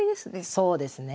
そうですね。